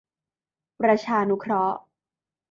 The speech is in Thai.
ประชานุเคราะห์